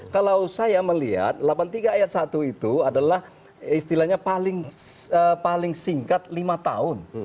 kalau saya melihat delapan puluh tiga ayat satu itu adalah istilahnya paling singkat lima tahun